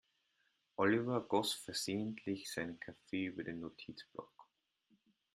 Oliver goss versehentlich seinen Kaffee über den Notizblock.